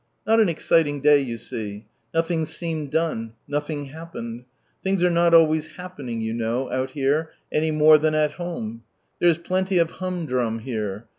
Not an exciting day, you see. Nothing seemed done, nothing happened. Things are not always "happening," you know, out here, any more than at home ; there is plenty of " humdrum" here.